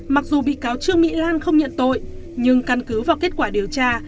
mặc dù bị cáo trương mỹ lan không nhận tội nhưng căn cứ vào kết quả điều tra